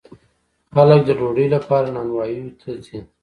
خلک د ډوډۍ لپاره نانواییو ته ځي.